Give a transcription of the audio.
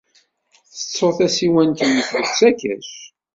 Tettud tasiwant-nnek deg usakac.